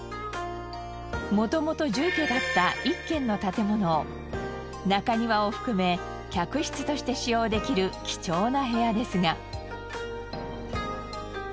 元々住居だった一軒の建物を中庭を含め客室として使用できる貴重な部屋ですが。